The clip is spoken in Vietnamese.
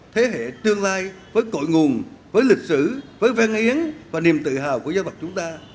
thế hệ tương lai với cội nguồn với lịch sử với văn hiến và niềm tự hào của dân tộc chúng ta